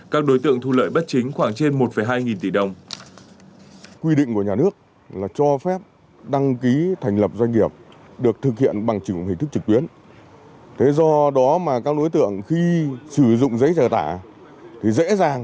các đối tượng thu lợi bất chính khoảng trên một hai nghìn tỷ đồng